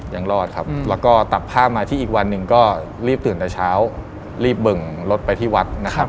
ยังรอดครับแล้วก็ตักผ้ามาที่อีกวันหนึ่งก็รีบตื่นแต่เช้ารีบเบิ่งรถไปที่วัดนะครับ